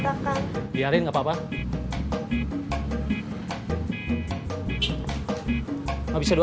tapi biasanya dipakai buat anak sekolahan